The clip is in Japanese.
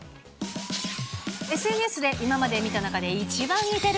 ＳＮＳで、今まで見た中で一番似てる！